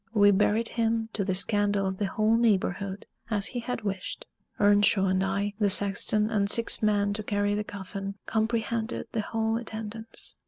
We buried him, to the scandal of the whole neighborhood, as he had wished. Earnshaw and I, the sexton, and six men to carry the coffin, comprehended the whole attendance.